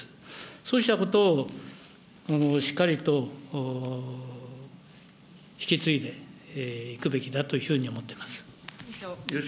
そうしたことを今後、しっかりと引き継いでいくべきだというふうに思っています。